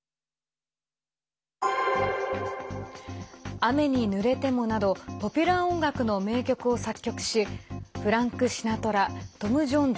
「雨にぬれても」などポピュラー音楽の名曲を作曲しフランク・シナトラトム・ジョーンズ